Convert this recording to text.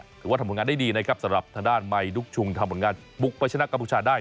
ถือว่าทำผลงานได้ดีนะครับสำหรับทางด้านไมค์ดุ๊กชุงทำผลงานบุกไปชนะกัมพูชาได้